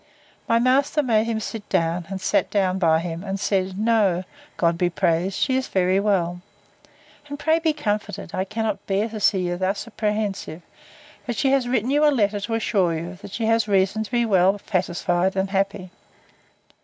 My master made him sit down, and sat down by him, and said, No; God be praised! she is very well: And pray be comforted; I cannot bear to see you thus apprehensive; but she has written you a letter to assure you, that she has reason to be well satisfied, and happy.